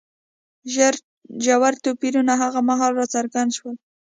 ژور توپیرونه هغه مهال راڅرګند شول